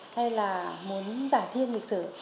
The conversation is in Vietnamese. hay là muốn giải thiên lịch sử